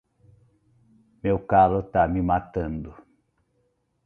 Meu calo tá me matando.